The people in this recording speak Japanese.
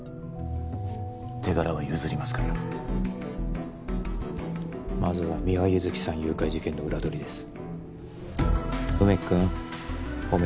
手柄は譲りますからまずは三輪優月さん誘拐事件の裏取りです